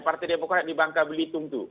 partai demokrat di bangka belitung tuh